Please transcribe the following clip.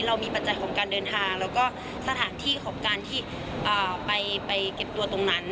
ปัจจัยของการเดินทางแล้วก็สถานที่ของการที่ไปเก็บตัวตรงนั้น